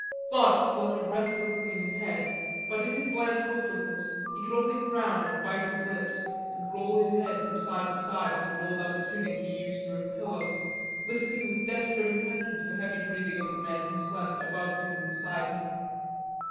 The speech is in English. Thoughts fluttered restlessly in his head, but in his blank hopelessness he could only frown and bite his lips, and roll his head from side to side on the rolled up tunic he used for a pillow, listening with desperate attention to the heavy breathing of the men who slept above him and beside him.